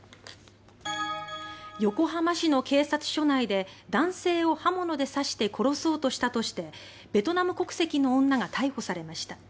横浜市の警察署内で男性を刃物で刺して殺そうとしたとしてベトナム国籍の女が逮捕されました。